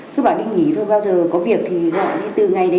cứ bảo đi nghỉ thôi bao giờ có việc thì gọi đi từ ngày đấy